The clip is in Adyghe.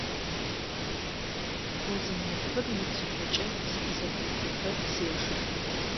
Гъозэнэфыр уцышъокӏэ зыкъызэблехъуфэ сежэ.